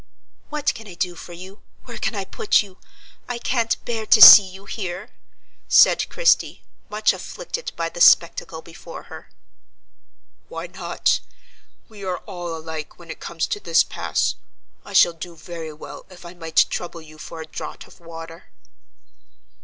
"What can I do for you? Where can I put you? I can't bear to see you here!" said Christie, much afflicted by the spectacle before her. "Why not? we are all alike when it comes to this pass. I shall do very well if I might trouble you for a draught of water."